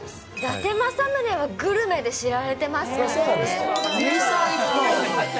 伊達政宗はグルメで知られてそうなんです。